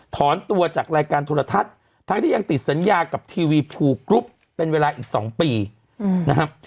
ถอนตัวจากรายการโทรทัศน์ทั้งที่ยังติดสัญญากับทีวีภูกรุ๊ปเป็นเวลาอีก๒ปีนะครับ